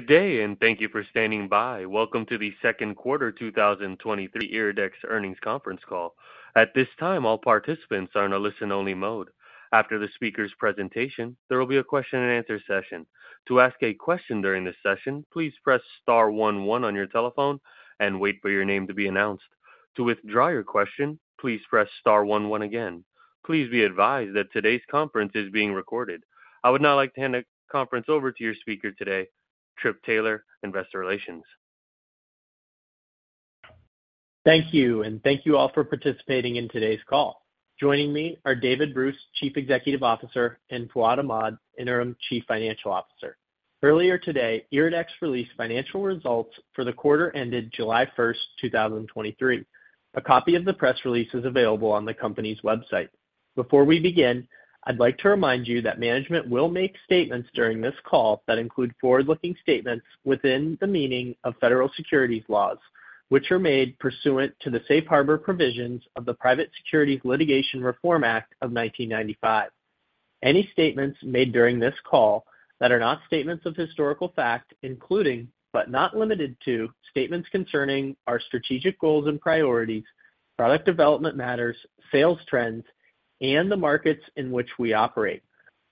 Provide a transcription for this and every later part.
Good day, and thank you for standing by. Welcome to the second quarter 2023 IRIDEX Earnings Conference Call. At this time, all participants are in a listen-only mode. After the speaker's presentation, there will be a question-and-answer session. To ask a question during this session, please press *11 on your telephone and wait for your name to be announced. To withdraw your question, please press *11 again. Please be advised that today's conference is being recorded. I would now like to hand the conference over to your speaker today, Tripp Taylor, Investor Relations. Thank you, and thank you all for participating in today's call. Joining me are David Bruce, Chief Executive Officer, and Fouad Ahmad, Interim Chief Financial Officer. Earlier today, IRIDEX released financial results for the quarter ended July 1, 2023. A copy of the press release is available on the company's website. Before we begin, I'd like to remind you that management will make statements during this call that include forward-looking statements within the meaning of federal securities laws, which are made pursuant to the safe harbor provisions of the Private Securities Litigation Reform Act of 1995. Any statements made during this call that are not statements of historical fact, including, but not limited to, statements concerning our strategic goals and priorities, product development matters, sales trends, and the markets in which we operate.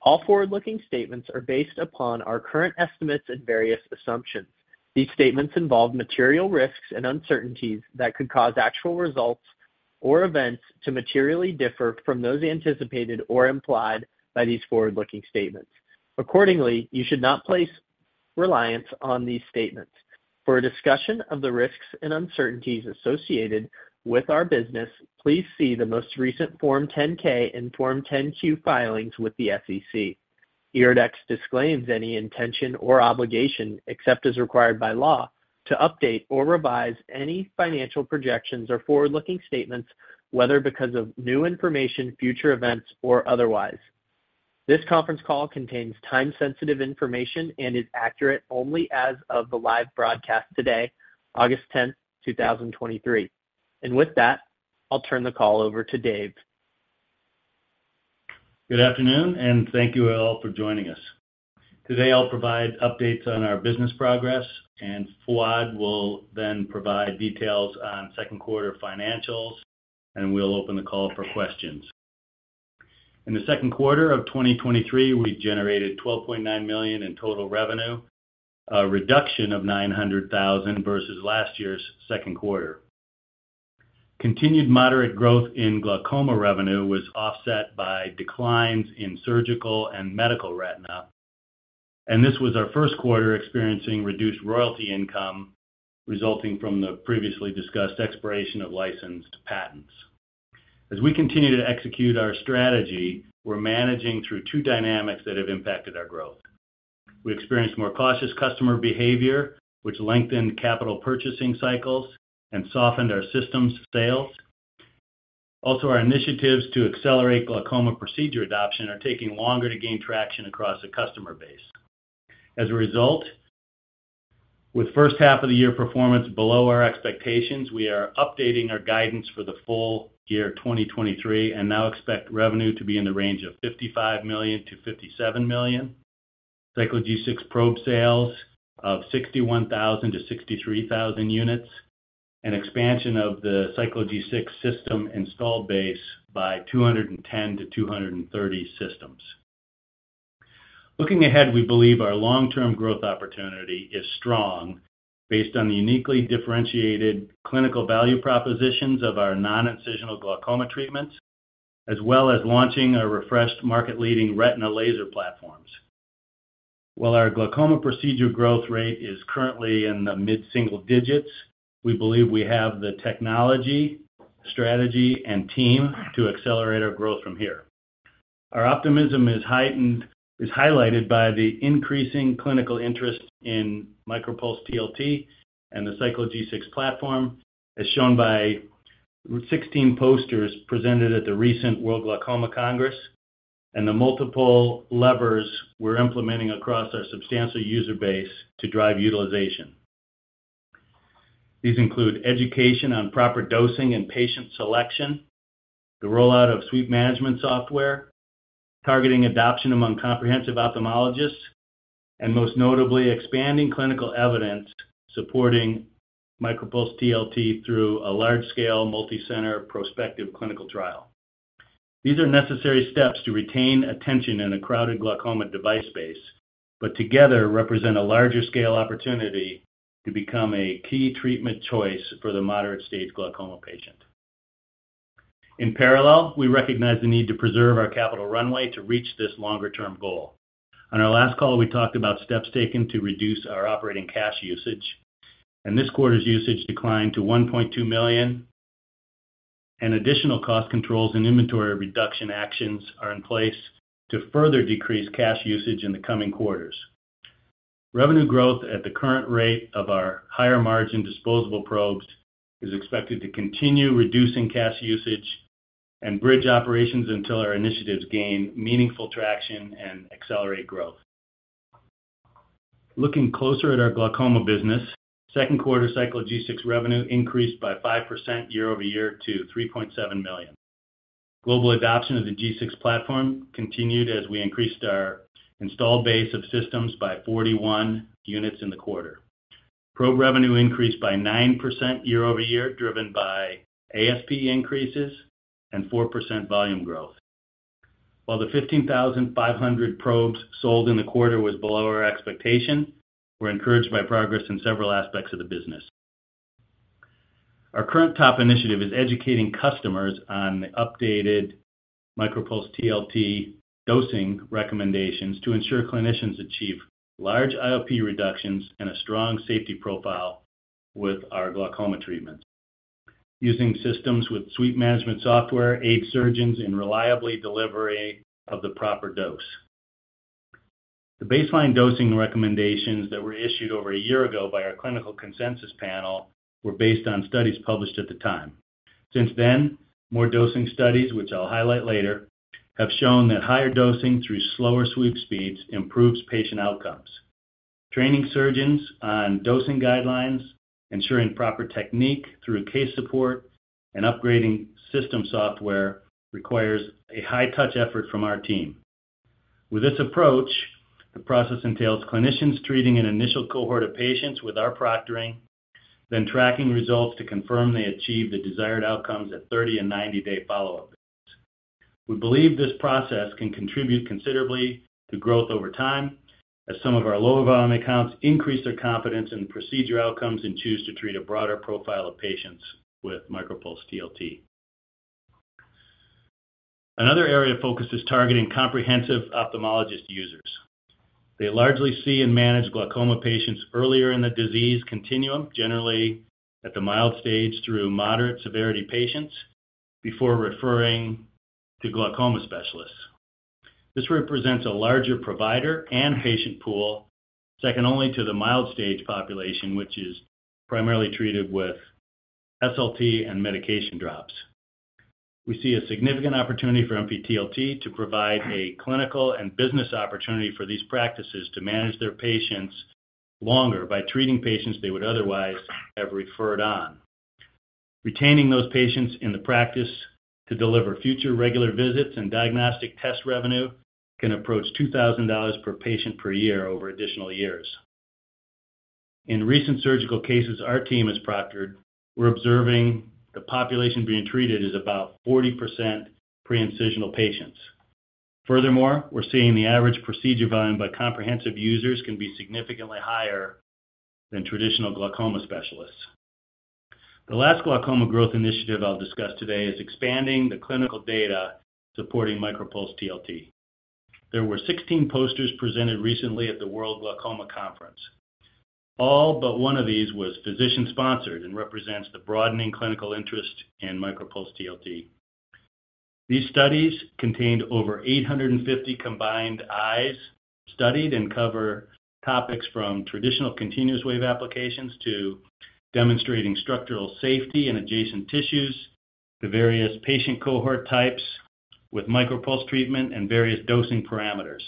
All forward-looking statements are based upon our current estimates and various assumptions. These statements involve material risks and uncertainties that could cause actual results or events to materially differ from those anticipated or implied by these forward-looking statements. Accordingly, you should not place reliance on these statements. For a discussion of the risks and uncertainties associated with our business, please see the most recent Form 10-K and Form 10-Q filings with the SEC. IRIDEX disclaims any intention or obligation, except as required by law, to update or revise any financial projections or forward-looking statements, whether because of new information, future events, or otherwise. This conference call contains time-sensitive information and is accurate only as of the live broadcast today, August 10, 2023. With that, I'll turn the call over to Dave. Good afternoon. Thank you all for joining us. Today, I'll provide updates on our business progress. Fouad will then provide details on second quarter financials. We'll open the call for questions. In the second quarter of 2023, we generated $12.9 million in total revenue, a reduction of $900,000 versus last year's second quarter. Continued moderate growth in glaucoma revenue was offset by declines in surgical and medical retina. This was our first quarter experiencing reduced royalty income resulting from the previously discussed expiration of licensed patents. As we continue to execute our strategy, we're managing through two dynamics that have impacted our growth. We experienced more cautious customer behavior, which lengthened capital purchasing cycles and softened our systems sales. Our initiatives to accelerate glaucoma procedure adoption are taking longer to gain traction across the customer base. As a result, with first half of the year performance below our expectations, we are updating our guidance for the full year 2023 and now expect revenue to be in the range of $55 million-$57 million. Cyclo G6 probe sales of 61,000-63,000 units, and expansion of the Cyclo G6 system installed base by 210-230 systems. Looking ahead, we believe our long-term growth opportunity is strong based on the uniquely differentiated clinical value propositions of our non-incisional glaucoma treatments, as well as launching our refreshed market-leading retina laser platforms. While our glaucoma procedure growth rate is currently in the mid-single digits, we believe we have the technology, strategy, and team to accelerate our growth from here. Our optimism is highlighted by the increasing clinical interest in MicroPulse TLT and the Cyclo G6 platform, as shown by 16 posters presented at the recent World Glaucoma Congress, and the multiple levers we're implementing across our substantial user base to drive utilization. These include education on proper dosing and patient selection, the rollout of sweep management software, targeting adoption among comprehensive ophthalmologists, and most notably, expanding clinical evidence supporting MicroPulse TLT through a large-scale, multicenter, prospective clinical trial. These are necessary steps to retain attention in a crowded glaucoma device space, but together represent a larger scale opportunity to become a key treatment choice for the moderate-stage glaucoma patient. In parallel, we recognize the need to preserve our capital runway to reach this longer-term goal. On our last call, we talked about steps taken to reduce our operating cash usage, and this quarter's usage declined to $1.2 million, and additional cost controls and inventory reduction actions are in place to further decrease cash usage in the coming quarters. Revenue growth at the current rate of our higher-margin disposable probes is expected to continue reducing cash usage and bridge operations until our initiatives gain meaningful traction and accelerate growth. Looking closer at our glaucoma business, second quarter Cyclo G6 revenue increased by 5% year-over-year to $3.7 million. Global adoption of the G6 platform continued as we increased our installed base of systems by 41 units in the quarter. Probe revenue increased by 9% year-over-year, driven by ASP increases and 4% volume growth. While the 15,500 probes sold in the quarter was below our expectation, we're encouraged by progress in several aspects of the business. Our current top initiative is educating customers on the updated MicroPulse TLT dosing recommendations to ensure clinicians achieve large IOP reductions and a strong safety profile with our glaucoma treatments. Using systems with sweep management software aids surgeons in reliably delivering of the proper dose. The baseline dosing recommendations that were issued over a year ago by our clinical consensus panel were based on studies published at the time. Since then, more dosing studies, which I'll highlight later, have shown that higher dosing through slower sweep speeds improves patient outcomes. Training surgeons on dosing guidelines, ensuring proper technique through case support, and upgrading system software requires a high-touch effort from our team. With this approach, the process entails clinicians treating an initial cohort of patients with our proctoring, then tracking results to confirm they achieve the desired outcomes at 30 and 90-day follow-up. We believe this process can contribute considerably to growth over time, as some of our lower volume accounts increase their confidence in procedure outcomes and choose to treat a broader profile of patients with MicroPulse TLT. Another area of focus is targeting comprehensive ophthalmologist users. They largely see and manage glaucoma patients earlier in the disease continuum, generally at the mild stage through moderate severity patients, before referring to glaucoma specialists. This represents a larger provider and patient pool, second only to the mild stage population, which is primarily treated with SLT and medication drops. We see a significant opportunity for MP-TLT to provide a clinical and business opportunity for these practices to manage their patients longer by treating patients they would otherwise have referred on. Retaining those patients in the practice to deliver future regular visits and diagnostic test revenue can approach $2,000 per patient per year over additional years. In recent surgical cases our team has proctored, we're observing the population being treated is about 40% preincisional patients. Furthermore, we're seeing the average procedure volume by comprehensive users can be significantly higher than traditional glaucoma specialists. The last glaucoma growth initiative I'll discuss today is expanding the clinical data supporting MicroPulse TLT. There were 16 posters presented recently at the World Glaucoma Congress. All but one of these was physician-sponsored and represents the broadening clinical interest in MicroPulse TLT. These studies contained over 850 combined eyes studied and cover topics from traditional continuous wave applications to demonstrating structural safety in adjacent tissues, to various patient cohort types with MicroPulse treatment and various dosing parameters.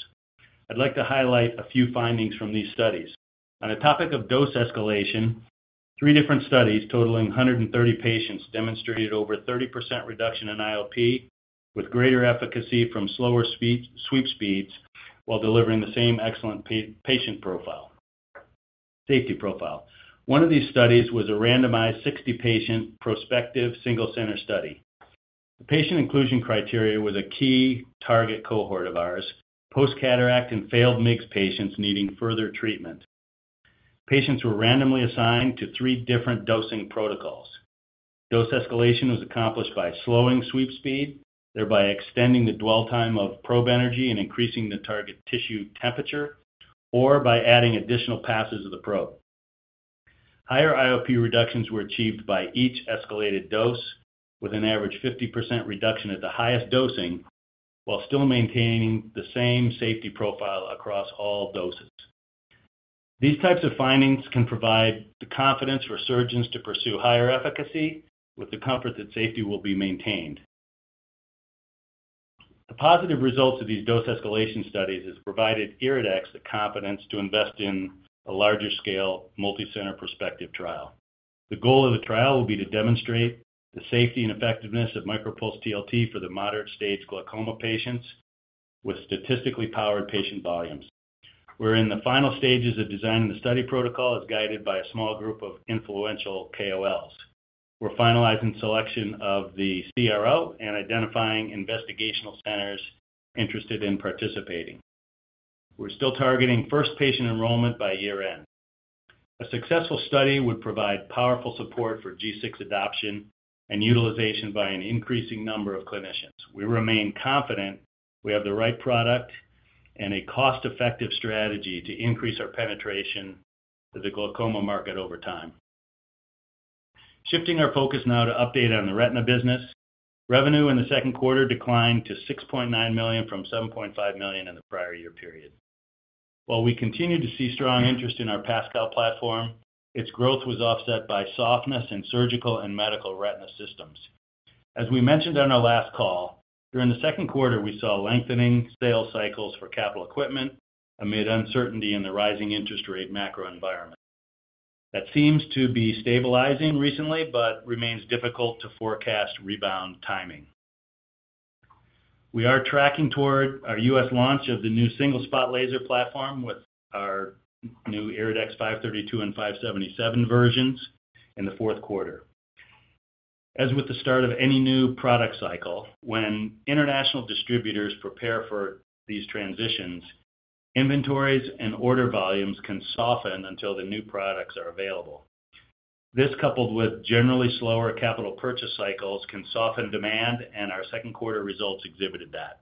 I'd like to highlight a few findings from these studies. On the topic of dose escalation, three different studies totaling 130 patients demonstrated over 30% reduction in IOP, with greater efficacy from slower sweep speeds, while delivering the same excellent patient profile, safety profile. One of these studies was a randomized 60-patient prospective single-center study. The patient inclusion criteria was a key target cohort of ours, post-cataract and failed MIGS patients needing further treatment. Patients were randomly assigned to three different dosing protocols. Dose escalation was accomplished by slowing sweep speed, thereby extending the dwell time of probe energy and increasing the target tissue temperature, or by adding additional passes of the probe. Higher IOP reductions were achieved by each escalated dose, with an average 50% reduction at the highest dosing, while still maintaining the same safety profile across all doses. These types of findings can provide the confidence for surgeons to pursue higher efficacy with the comfort that safety will be maintained. The positive results of these dose escalation studies has provided IRIDEX the confidence to invest in a larger-scale, multi-center prospective trial. The goal of the trial will be to demonstrate the safety and effectiveness of MicroPulse TLT for the moderate stage glaucoma patients with statistically powered patient volumes. We're in the final stages of designing the study protocol as guided by a small group of influential KOLs. We're finalizing selection of the CRO and identifying investigational centers interested in participating. We're still targeting first patient enrollment by year-end. A successful study would provide powerful support for G6 adoption and utilization by an increasing number of clinicians. We remain confident we have the right product and a cost-effective strategy to increase our penetration to the glaucoma market over time. Shifting our focus now to update on the retina business. Revenue in the second quarter declined to $6.9 million from $7.5 million in the prior year period. While we continue to see strong interest in our PASCAL platform, its growth was offset by softness in surgical and medical retina systems. As we mentioned on our last call, during the second quarter, we saw lengthening sales cycles for capital equipment amid uncertainty in the rising interest rate macro environment. That seems to be stabilizing recently, remains difficult to forecast rebound timing. We are tracking toward our US launch of the new single-spot laser platform with our new IRIDEX 532 and 577 versions in the fourth quarter. As with the start of any new product cycle, when international distributors prepare for these transitions, inventories and order volumes can soften until the new products are available. This, coupled with generally slower capital purchase cycles, can soften demand, our second quarter results exhibited that.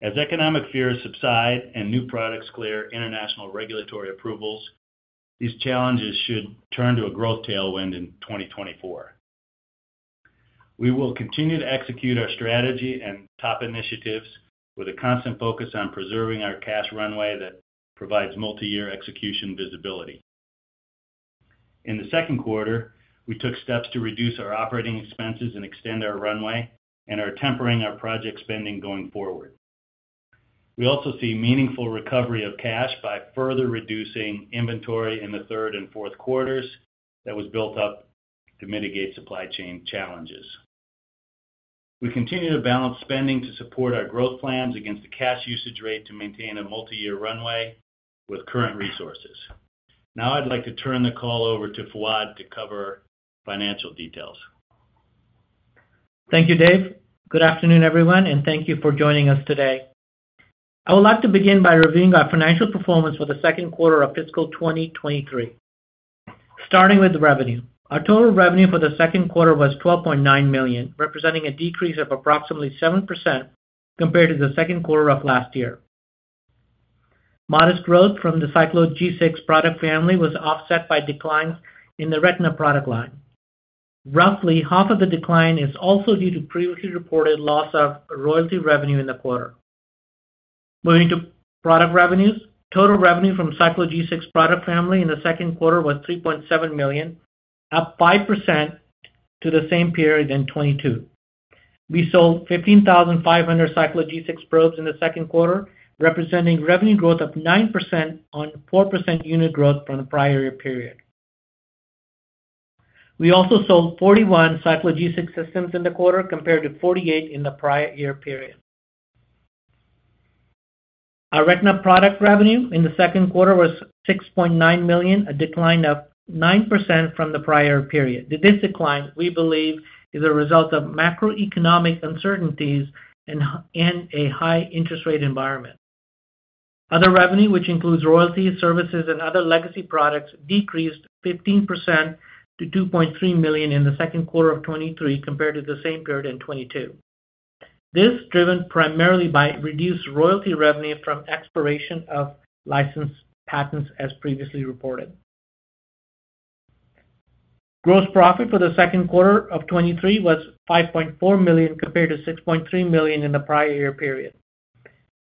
As economic fears subside and new products clear international regulatory approvals, these challenges should turn to a growth tailwind in 2024. We will continue to execute our strategy and top initiatives with a constant focus on preserving our cash runway that provides multi-year execution visibility. In the second quarter, we took steps to reduce our operating expenses and extend our runway and are tempering our project spending going forward. We also see meaningful recovery of cash by further reducing inventory in the third and fourth quarters that was built up to mitigate supply chain challenges. We continue to balance spending to support our growth plans against the cash usage rate to maintain a multi-year runway with current resources. I'd like to turn the call over to Fouad to cover financial details. Thank you, Dave. Good afternoon, everyone, and thank you for joining us today. I would like to begin by reviewing our financial performance for the second quarter of fiscal 2023. Starting with revenue. Our total revenue for the second quarter was $12.9 million, representing a decrease of approximately 7% compared to the second quarter of last year. Modest growth from the Cyclo G6 product family was offset by declines in the retina product line. Roughly half of the decline is also due to previously reported loss of royalty revenue in the quarter. Moving to product revenues. Total revenue from Cyclo G6 product family in the second quarter was $3.7 million, up 5% to the same period in 2022. We sold 15,500 Cyclo G6 probes in the second quarter, representing revenue growth of 9% on 4% unit growth from the prior year period. We also sold 41 Cyclo G6 systems in the quarter, compared to 48 in the prior year period. Our retina product revenue in the second quarter was $6.9 million, a decline of 9% from the prior period. This decline, we believe, is a result of macroeconomic uncertainties and a high interest rate environment. Other revenue, which includes royalties, services, and other legacy products, decreased 15% to $2.3 million in the second quarter of 2023 compared to the same period in 2022. This driven primarily by reduced royalty revenue from expiration of licensed patents, as previously reported. Gross profit for the second quarter of 2023 was $5.4 million, compared to $6.3 million in the prior year period.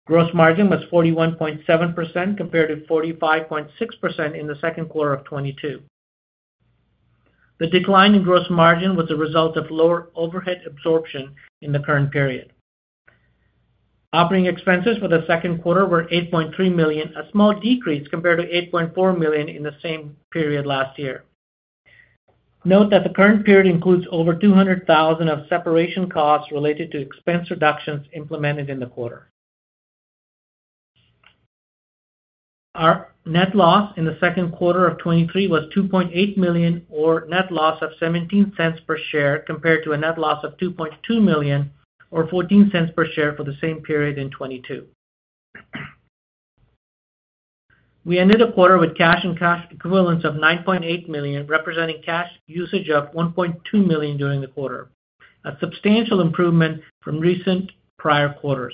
Gross margin was 41.7%, compared to 45.6% in the second quarter of 2022. The decline in gross margin was a result of lower overhead absorption in the current period. Operating expenses for the second quarter were $8.3 million, a small decrease compared to $8.4 million in the same period last year. Note that the current period includes over $200,000 of separation costs related to expense reductions implemented in the quarter. Our net loss in the second quarter of 2023 was $2.8 million, or net loss of $0.17 per share, compared to a net loss of $2.2 million, or $0.14 per share, for the same period in 2022. We ended the quarter with cash and cash equivalents of $9.8 million, representing cash usage of $1.2 million during the quarter, a substantial improvement from recent prior quarters.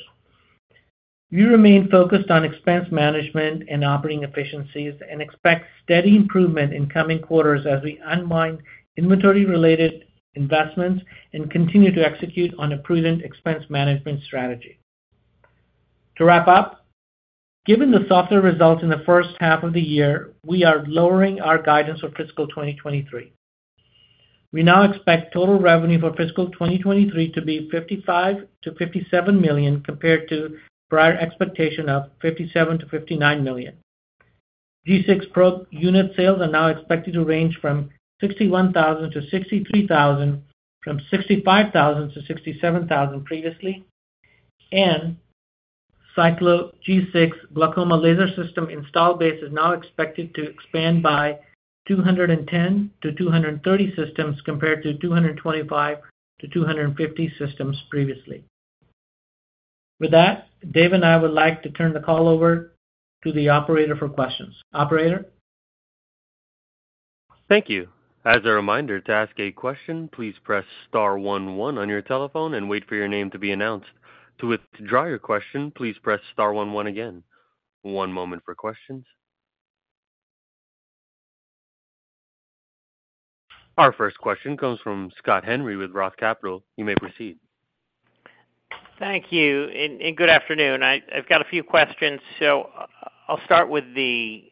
We remain focused on expense management and operating efficiencies and expect steady improvement in coming quarters as we unwind inventory-related investments and continue to execute on a prudent expense management strategy. To wrap up, given the softer results in the first half of the year, we are lowering our guidance for fiscal 2023. We now expect total revenue for fiscal 2023 to be $55 million-$57 million, compared to prior expectation of $57 million-$59 million. G6 probe unit sales are now expected to range from 61,000-63,000, from 65,000-67,000 previously, and Cyclo G6 Glaucoma Laser System install base is now expected to expand by 210-230 systems, compared to 225-250 systems previously. With that, Dave and I would like to turn the call over to the operator for questions. Operator? Thank you. As a reminder, to ask a question, please press *11 on your telephone and wait for your name to be announced. To withdraw your question, please press *11 again. One moment for questions. Our first question comes from Scott Henry with Roth Capital. You may proceed. Thank you, and good afternoon. I've got a few questions. I'll start with the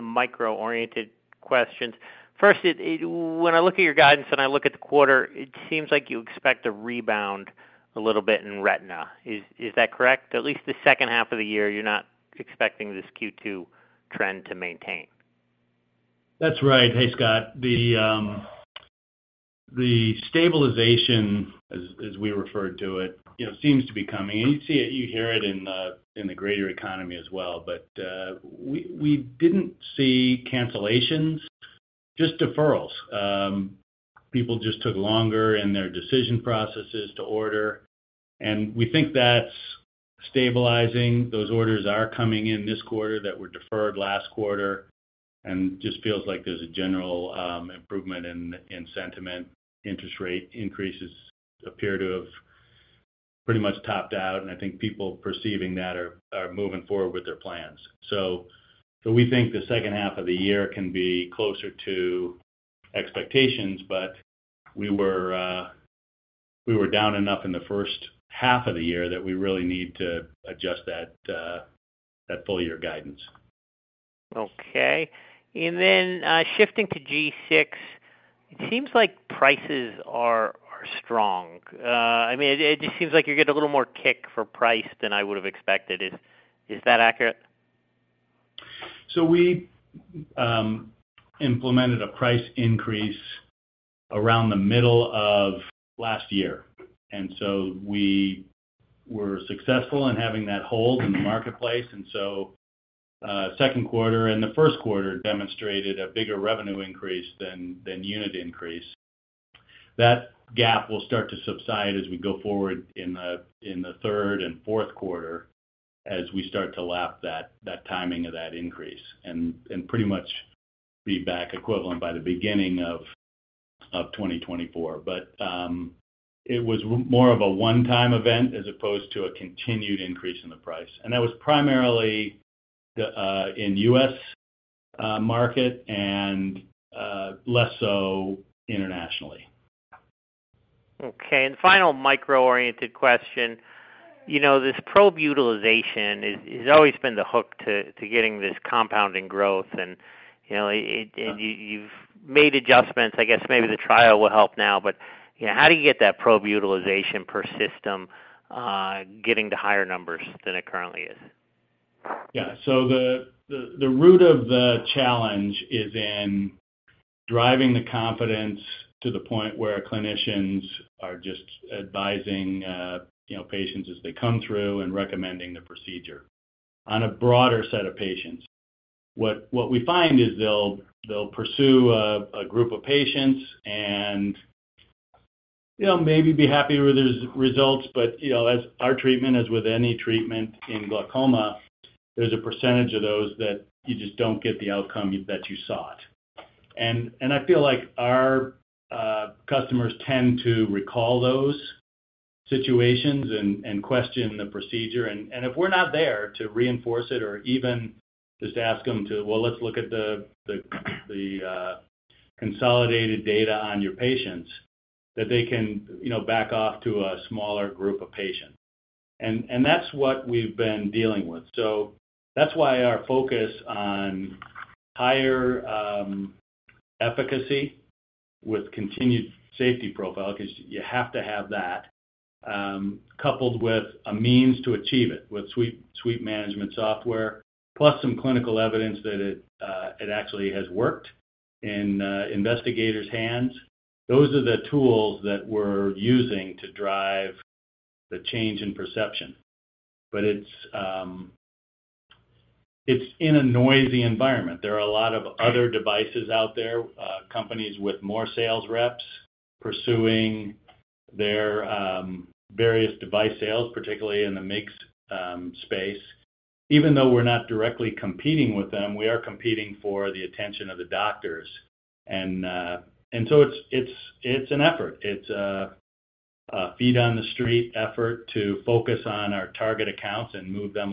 micro-oriented questions. First, when I look at your guidance and I look at the quarter, it seems like you expect a rebound a little bit in retina. Is that correct? At least the second half of the year, you're not expecting this Q2 trend to maintain? That's right. Hey, Scott. The, the stabilization, as, as we referred to it, you know, seems to be coming, and you see it, you hear it in the, in the greater economy as well. We, we didn't see cancellations, just deferrals. People just took longer in their decision processes to order, and we think that's stabilizing. Those orders are coming in this quarter that were deferred last quarter, and just feels like there's a general improvement in, in sentiment. Interest rate increases appear to have pretty much topped out, and I think people perceiving that are, are moving forward with their plans. We think the second half of the year can be closer to expectations, but we were, we were down enough in the first half of the year that we really need to adjust that full year guidance. Okay. Then, shifting to G6, it seems like prices are, are strong. I mean, it, it just seems like you're getting a little more kick for price than I would have expected. Is, is that accurate? We implemented a price increase around the middle of last year, and so we were successful in having that hold in the marketplace. Second quarter and the first quarter demonstrated a bigger revenue increase than unit increase. That gap will start to subside as we go forward in the third and fourth quarter as we start to lap that timing of that increase, and pretty much be back equivalent by the beginning of 2024. It was more of a one-time event as opposed to a continued increase in the price. That was primarily in US market and less so internationally. Okay. Final micro-oriented question. You know, this probe utilization has always been the hook to, to getting this compounding growth, and, you know, it, and you, you've made adjustments. I guess maybe the trial will help now. You know, how do you get that probe utilization per system getting to higher numbers than it currently is? Yeah. So the, the, the root of the challenge is in driving the confidence to the point where clinicians are just advising, you know, patients as they come through and recommending the procedure on a broader set of patients. What, what we find is they'll, they'll pursue a, a group of patients and, you know, maybe be happy with those results, but, you know, as our treatment, as with any treatment in glaucoma, there's a percentage of those that you just don't get the outcome you, that you sought. And, and I feel like our customers tend to recall those situations and, and question the procedure, and, and if we're not there to reinforce it or even just ask them to, "Well, let's look at the, the, the consolidated data on your patients," that they can, you know, back off to a smaller group of patients. That's what we've been dealing with. So that's why our focus on higher efficacy with continued safety profile, because you have to have that coupled with a means to achieve it, with sweep management software, plus some clinical evidence that it actually has worked in investigators' hands. Those are the tools that we're using to drive the change in perception. It's, it's in a noisy environment. There are a lot of other devices out there, companies with more sales reps pursuing their various device sales, particularly in the MIGS space. Even though we're not directly competing with them, we are competing for the attention of the doctors. And so it's, it's, it's an effort. It's a, a feet on the street effort to focus on our target accounts and move them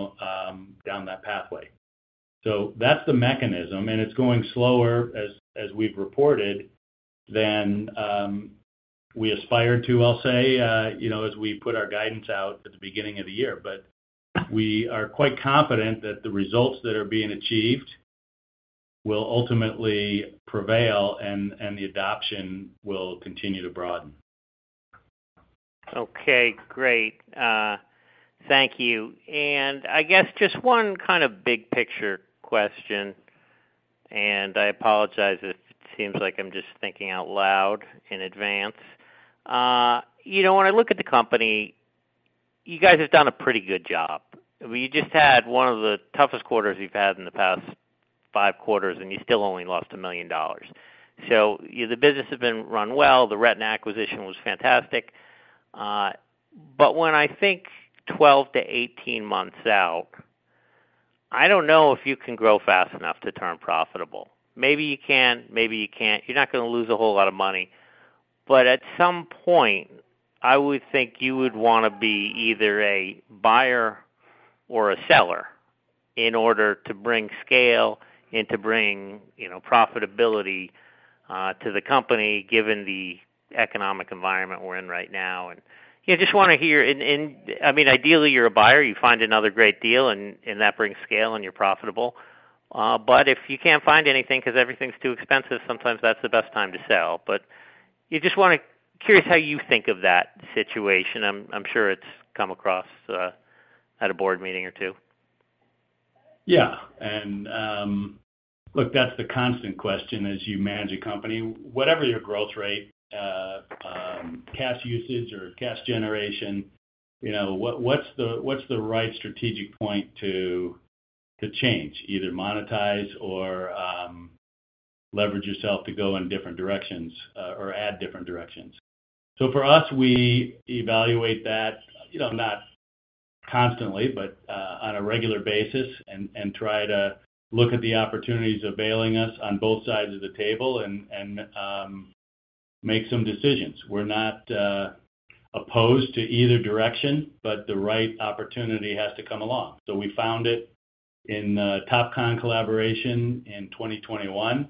down that pathway. That's the mechanism, and it's going slower, as, as we've reported, than we aspired to, I'll say, you know, as we put our guidance out at the beginning of the year. We are quite confident that the results that are being achieved will ultimately prevail, and the adoption will continue to broaden. Okay, great. Thank you. I guess just one kind of big picture question, and I apologize if it seems like I'm just thinking out loud in advance. You know, when I look at the company, you guys have done a pretty good job. You just had one of the toughest quarters you've had in the past 5 quarters, and you still only lost $1 million. The business has been run well, the retina acquisition was fantastic. When I think 12-18 months out, I don't know if you can grow fast enough to turn profitable. Maybe you can, maybe you can't. You're not gonna lose a whole lot of money, but at some point, I would think you would wanna be either a buyer or a seller in order to bring scale and to bring, you know, profitability to the company, given the economic environment we're in right now. You know, I just wanna hear. And, and, I mean, ideally, you're a buyer, you find another great deal and, and that brings scale and you're profitable. But if you can't find anything because everything's too expensive, sometimes that's the best time to sell. You just wanna, curious how you think of that situation. I'm, I'm sure it's come across at a board meeting or two. Yeah. Look, that's the constant question as you manage a company. Whatever your growth rate, cash usage or cash generation, you know, what, what's the, what's the right strategic point to, to change, either monetize or leverage yourself to go in different directions, or add different directions? For us, we evaluate that, you know, not constantly, but on a regular basis, and try to look at the opportunities availing us on both sides of the table and make some decisions. We're not opposed to either direction, but the right opportunity has to come along. We found it in the Topcon collaboration in 2021,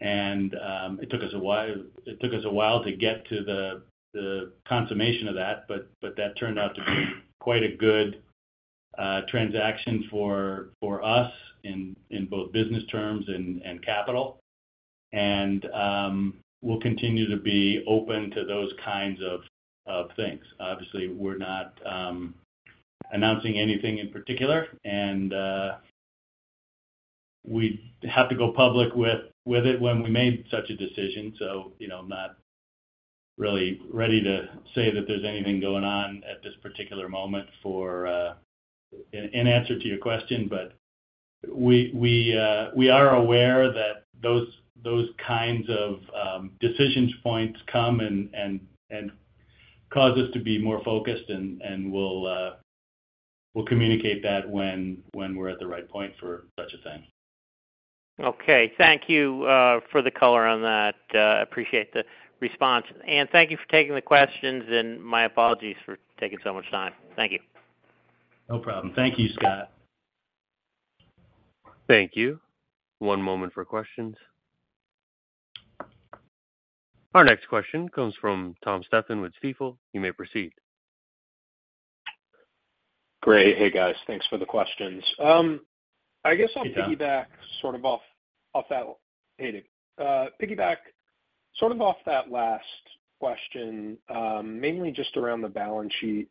and it took us a while, it took us a while to get to the, the consummation of that, but, but that turned out to be quite a good transaction for us in both business terms and capital. We'll continue to be open to those kinds of things. Obviously, we're not announcing anything in particular, and we'd have to go public with it when we made such a decision. You know, I'm not really ready to say that there's anything going on at this particular moment for. In, in answer to your question, but we, we, we are aware that those, those kinds of decisions points come and, and, and cause us to be more focused, and, and we'll, we'll communicate that when, when we're at the right point for such a thing. Okay. Thank you for the color on that. Appreciate the response. Thank you for taking the questions, and my apologies for taking so much time. Thank you. No problem. Thank you, Scott. Thank you. One moment for questions. Our next question comes from Tom Stephan with Stifel. You may proceed. Great. Hey, guys. Thanks for the questions. I guess I'll- Hey, Tom. -piggyback sort of off, off that... Hey, piggyback sort of off that last question, mainly just around the balance sheet.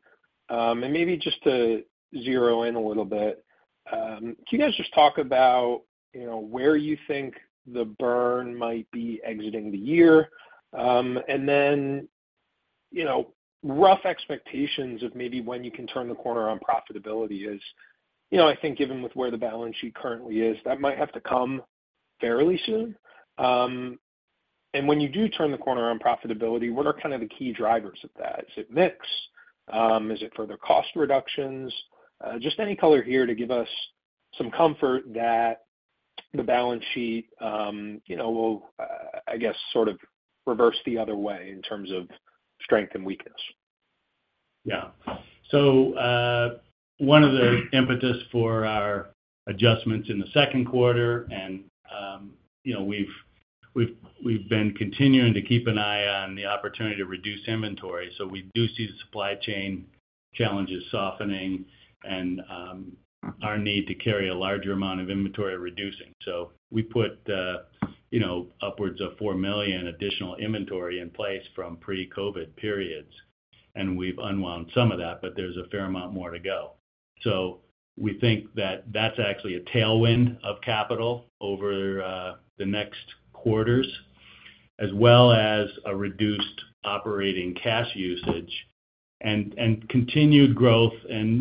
Maybe just to zero in a little bit, can you guys just talk about, you know, where you think the burn might be exiting the year? Then, you know, rough expectations of maybe when you can turn the corner on profitability is, you know, I think given with where the balance sheet currently is, that might have to come fairly soon. When you do turn the corner on profitability, what are kind of the key drivers of that? Is it mix? Is it further cost reductions? Just any color here to give us some comfort that the balance sheet, you know, will, I, I guess, sort of reverse the other way in terms of strength and weakness. Yeah. One of the impetus for our adjustments in the second quarter, and, you know, we've, we've, we've been continuing to keep an eye on the opportunity to reduce inventory. We do see the supply chain challenges softening and, our need to carry a larger amount of inventory reducing. We put, you know, upwards of $4 million additional inventory in place from pre-COVID periods, and we've unwound some of that, but there's a fair amount more to go. We think that that's actually a tailwind of capital over, the next quarters, as well as a reduced operating cash usage and, and continued growth.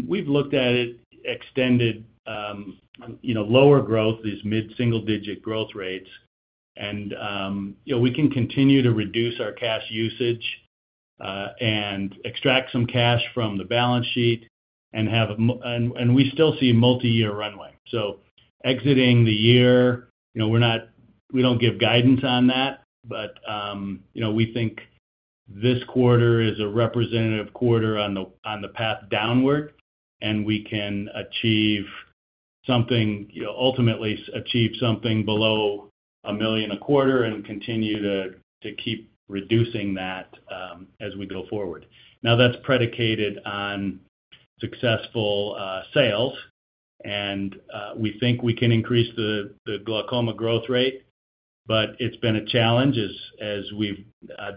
We've looked at it extended, you know, lower growth, these mid-single-digit growth rates. You know, we can continue to reduce our cash usage and extract some cash from the balance sheet and we still see multiyear runway. Exiting the year, you know, we're not-- we don't give guidance on that, but, you know, we think this quarter is a representative quarter on the path downward, and we can achieve something, ultimately achieve something below $1 million a quarter and continue to keep reducing that as we go forward. That's predicated on successful sales, and we think we can increase the glaucoma growth rate, but it's been a challenge as we've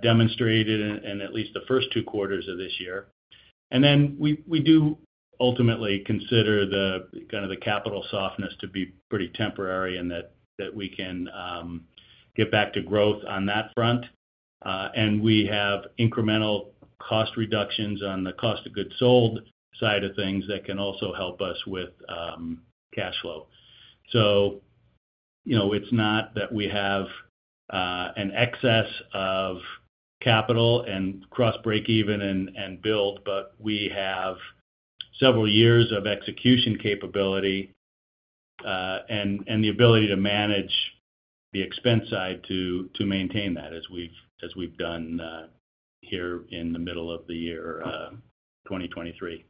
demonstrated in at least the first two quarters of this year. We, we do ultimately consider the kind of the capital softness to be pretty temporary and that, that we can get back to growth on that front. We have incremental cost reductions on the cost of goods sold side of things that can also help us with cash flow. You know, it's not that we have an excess of capital and cross break even and, and build, but we have several years of execution capability and the ability to manage the expense side to, to maintain that as we've, as we've done here in the middle of the year, 2023.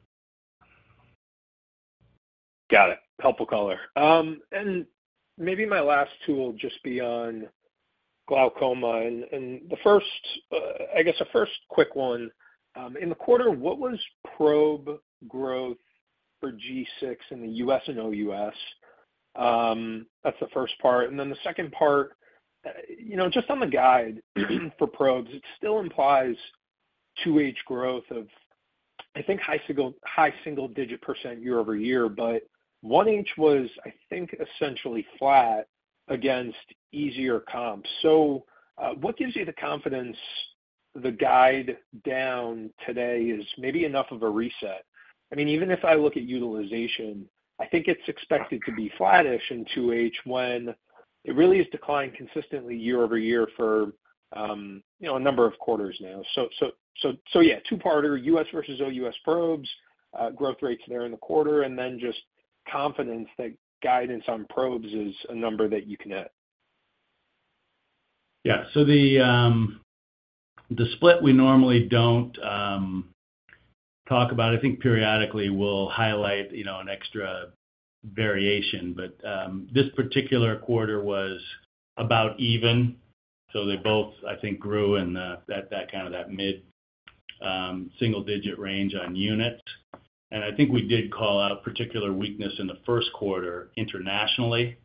Got it. Helpful color. Maybe my last two will just be on glaucoma. The first, I guess the first quick one, in the quarter, what was probe growth for G6 in the US and OUS? That's the first part. The second part, you know, just on the guide for probes, it still implies 2H growth of, I think, high single-digit % year-over-year, but 1H was, I think, essentially flat against easier comps. What gives you the confidence, the guide down today is maybe enough of a reset? I mean, even if I look at utilization, I think it's expected to be flattish in 2H, when it really has declined consistently year-over-year for, you know, a number of quarters now. Yeah, two-parter, US versus OUS probes, growth rates there in the quarter, and then just confidence that guidance on probes is a number that you can hit? Yeah. The split, we normally don't talk about. I think periodically we'll highlight, you know, an extra variation, but this particular quarter was about even. They both, I think, grew in the, at that kind of that mid-single-digit range on units. I think we did call out a particular weakness in the first quarter internationally.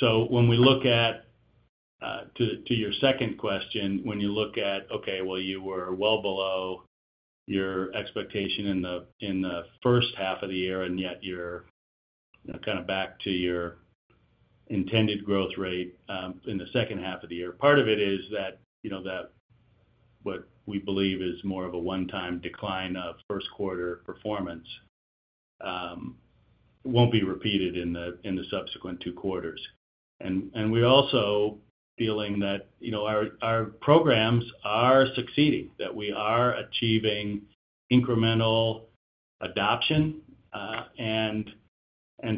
When we look at, to, to your second question, when you look at, okay, well, you were well below your expectation in the, in the first half of the year, and yet you're, you know, kind of back to your intended growth rate in the second half of the year. Part of it is that, you know, that what we believe is more of a one-time decline of first quarter performance, won't be repeated in the, in the subsequent two quarters. We're also feeling that, you know, our programs are succeeding, that we are achieving incremental adoption.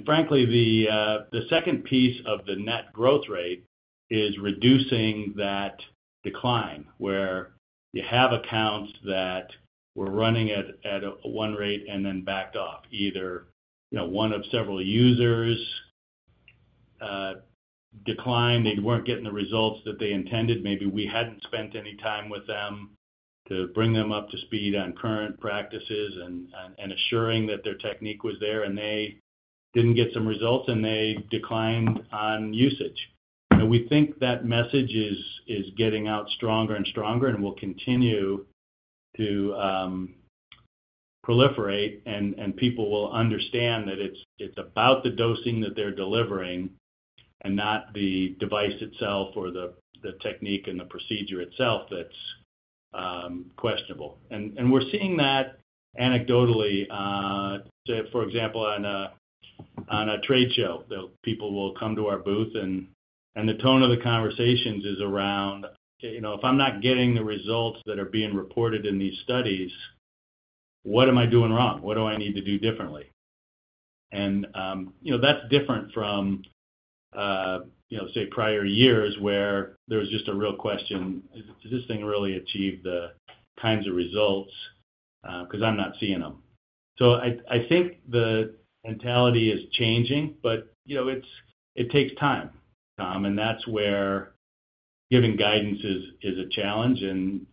Frankly, the second piece of the net growth rate is reducing that decline, where you have accounts that were running at one rate and then backed off, either, you know, one of several users declined. They weren't getting the results that they intended. Maybe we hadn't spent any time with them to bring them up to speed on current practices and assuring that their technique was there, and they didn't get some results, and they declined on usage. We think that message is, is getting out stronger and stronger and will continue to proliferate, and people will understand that it's, it's about the dosing that they're delivering and not the device itself or the, the technique and the procedure itself that's questionable. We're seeing that anecdotally, say, for example, on a, on a trade show, the people will come to our booth and, and the tone of the conversations is around, "You know, if I'm not getting the results that are being reported in these studies, what am I doing wrong? What do I need to do differently?" You know, that's different from, you know, say prior years, where there was just a real question: Does this thing really achieve the kinds of results, because I'm not seeing them? I, I think the mentality is changing, but, you know, it takes time, Tom, and that's where giving guidance is, is a challenge. You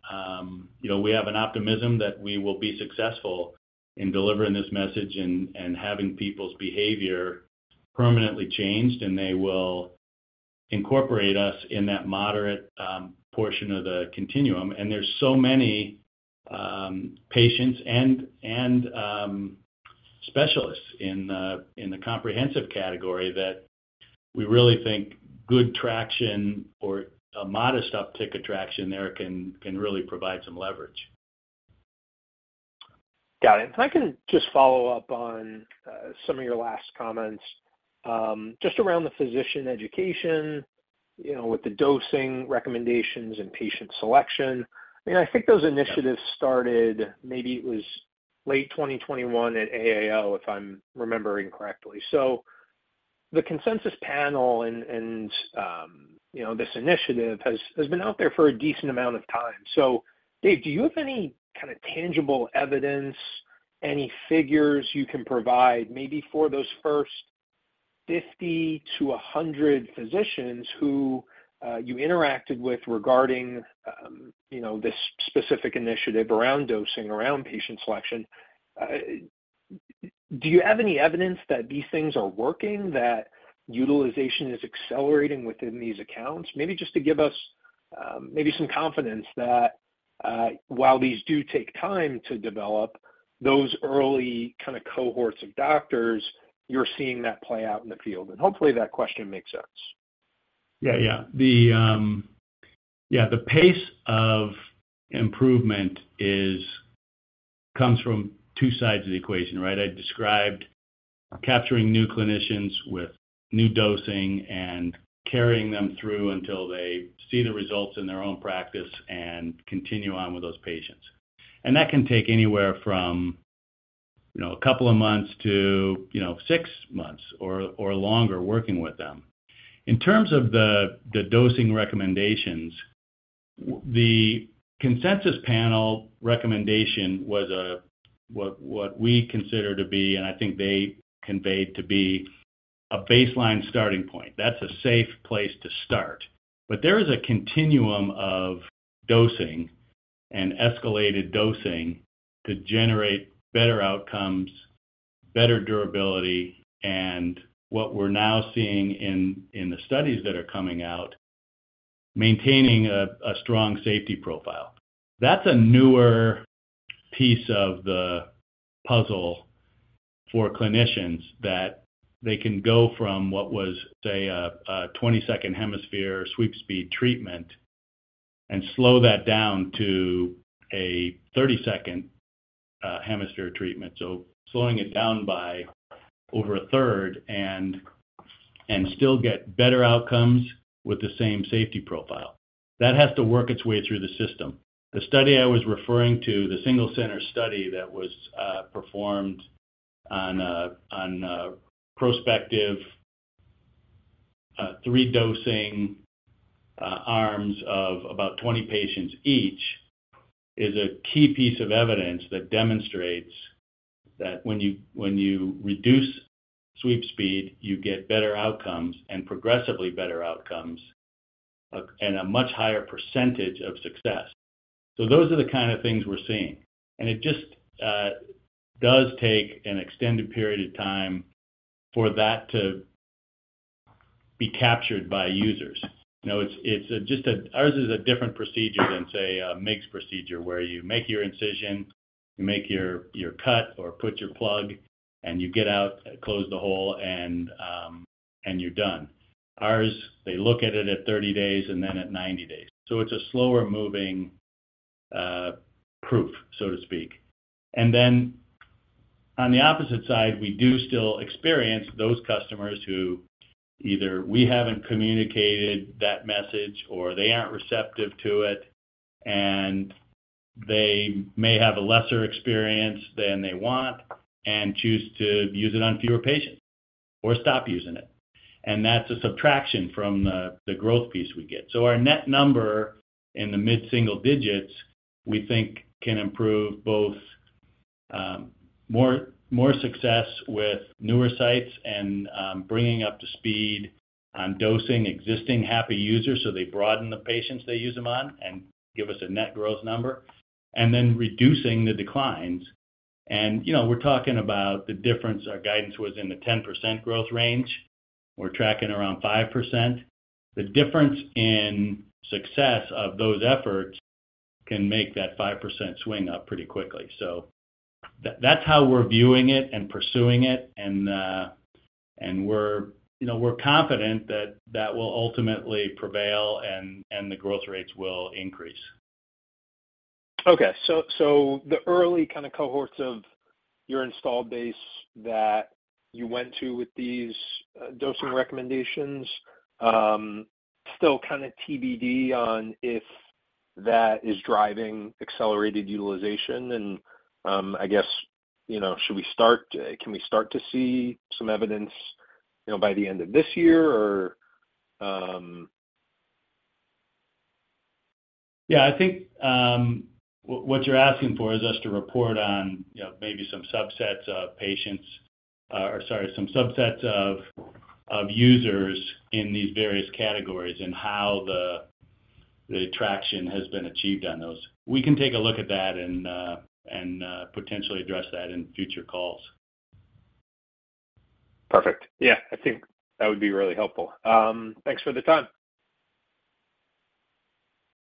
know, we have an optimism that we will be successful in delivering this message and, and having people's behavior permanently changed, and they will incorporate us in that moderate portion of the continuum. There's so many patients and, and specialists in the, in the comprehensive category that we really think good traction or a modest uptick of traction there can, can really provide some leverage. Got it. If I can just follow up on some of your last comments, just around the physician education, you know, with the dosing, recommendations, and patient selection. I mean, I think those initiatives. Yeah started, maybe it was late 2021 at AAO, if I'm remembering correctly. So the consensus panel and, and, you know, this initiative has, has been out there for a decent amount of time. So Dave, do you have any kind of tangible evidence, any figures you can provide, maybe for those first 50 to 100 physicians who, you interacted with regarding, you know, this specific initiative around dosing, around patient selection? Do you have any evidence that these things are working, that utilization is accelerating within these accounts? Maybe just to give us, maybe some confidence that, while these do take time to develop those early kind of cohorts of doctors, you're seeing that play out in the field. And hopefully, that question makes sense. Yeah, yeah. The, yeah, the pace of improvement comes from two sides of the equation, right? I described capturing new clinicians with new dosing and carrying them through until they see the results in their own practice and continue on with those patients. That can take anywhere from, you know, a couple of months to, you know, six months or longer working with them. In terms of the, the dosing recommendations. The consensus panel recommendation was what we consider to be, and I think they conveyed to be, a baseline starting point. That's a safe place to start. There is a continuum of dosing and escalated dosing to generate better outcomes, better durability, and what we're now seeing in the studies that are coming out, maintaining a strong safety profile. That's a newer piece of the puzzle for clinicians, that they can go from what was, say, a, a 20-second hemisphere sweep speed treatment and slow that down to a 30-second hemisphere treatment. Slowing it down by over a third and, and still get better outcomes with the same safety profile. That has to work its way through the system. The study I was referring to, the single center study that was performed on a, on a prospective, 3 dosing arms of about 20 patients each, is a key piece of evidence that demonstrates that when you, when you reduce sweep speed, you get better outcomes and progressively better outcomes, and a much higher percentage of success. Those are the kind of things we're seeing, and it just does take an extended period of time for that to be captured by users. You know, it's, it's just Ours is a different procedure than, say, a MIGS procedure, where you make your incision, you make your, your cut, or put your plug, and you get out, close the hole, and, and you're done. Ours, they look at it at 30 days and then at 90 days. It's a slower moving proof, so to speak. Then on the opposite side, we do still experience those customers who either we haven't communicated that message, or they aren't receptive to it, and they may have a lesser experience than they want and choose to use it on fewer patients or stop using it. That's a subtraction from the, the growth piece we get. Our net number in the mid-single-digit, we think can improve both, more, more success with newer sites and bringing up to speed on dosing existing happy users, so they broaden the patients they use them on and give us a net growth number. Then reducing the declines. You know, we're talking about the difference, our guidance was in the 10% growth range. We're tracking around 5%. The difference in success of those efforts can make that 5% swing up pretty quickly. That's how we're viewing it and pursuing it, and we're, you know, we're confident that that will ultimately prevail, and the growth rates will increase. Okay. The early kind of cohorts of your installed base that you went to with these dosing recommendations, still kind of TBD on if that is driving accelerated utilization? I guess, you know, should we start, Can we start to see some evidence, you know, by the end of this year, or...? Yeah, I think, what, what you're asking for is us to report on, you know, maybe some subsets of patients, or sorry, some subsets of, of users in these various categories and how the traction has been achieved on those. We can take a look at that and, and, potentially address that in future calls. Perfect. Yeah, I think that would be really helpful. Thanks for the time.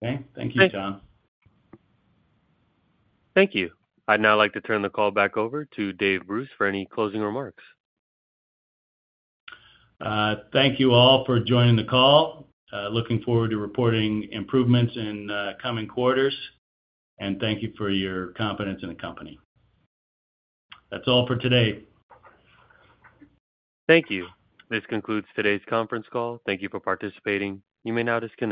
Okay. Thank you, Tom. Thank you. I'd now like to turn the call back over to Dave Bruce for any closing remarks. Thank you all for joining the call. Looking forward to reporting improvements in coming quarters, and thank you for your confidence in the company. That's all for today. Thank you. This concludes today's conference call. Thank you for participating. You may now disconnect.